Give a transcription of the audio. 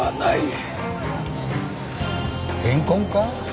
怨恨か？